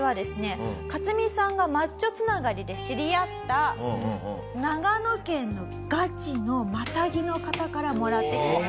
カツミさんがマッチョ繋がりで知り合った長野県のガチのマタギの方からもらってきます。